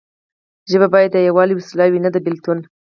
ژبه باید د یووالي وسیله وي نه د بیلتون.